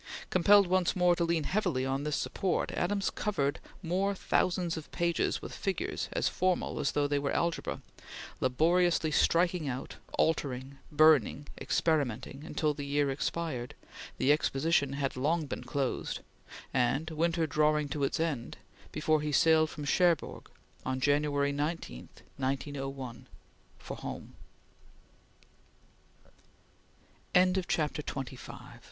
Compelled once more to lean heavily on this support, Adams covered more thousands of pages with figures as formal as though they were algebra, laboriously striking out, altering, burning, experimenting, until the year had expired, the Exposition had long been closed, and winter drawing to its end, before he sailed from Cherbourg, on January 19, 1901, for home. CHAPTER XXVI TWILIGHT (1901) WHILE the world that thought itself frivolous, and submitted